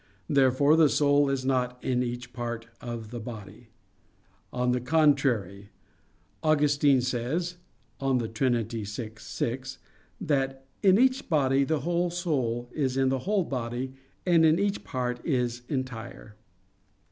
Therefore the soul is not in each part of the body. On the contrary, Augustine says (De Trin. vi, 6), that "in each body the whole soul is in the whole body, and in each part is entire."